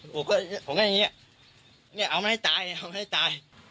ผมก็พูดแบบนี้เนี่ยเอามันให้ตายเนี่ยเอามันให้ตาย